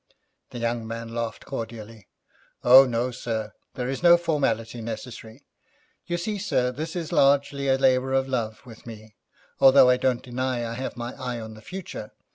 The young man laughed cordially. 'Oh, no, sir, there is no formality necessary. You see, sir, this is largely a labour of love with me, although I don't deny I have my eye on the future.